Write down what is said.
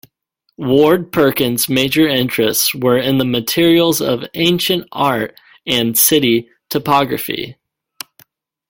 Ward-Perkins' major interests were in the materials of ancient art and city topography.